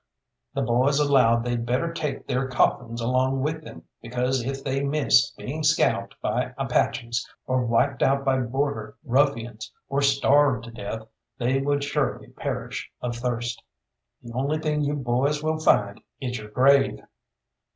The boys allowed they'd better take their coffins along with them, because if they missed being scalped by Apaches, or wiped out by border ruffians, or starved to death, they would surely perish of thirst. "The only thing you boys will find is your grave."